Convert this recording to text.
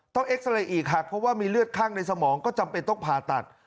เอ็กซาเรย์อีกหากเพราะว่ามีเลือดข้างในสมองก็จำเป็นต้องผ่าตัด